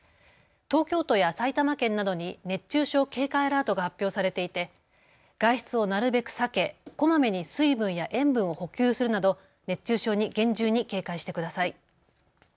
東京都や埼玉県などに熱中症警戒アラートが発表されていて外出をなるべく避けこまめに水分や塩分を補給するなど熱中症に厳重に警戒してください。